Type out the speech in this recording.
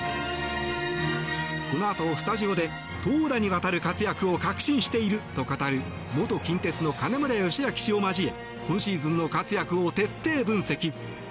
このあとスタジオで投打にわたる活躍を確信していると語る元近鉄の金村義明氏を交え今シーズンの活躍を徹底分析。